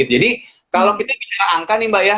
jadi kalo kita bicara angka nih mbak ya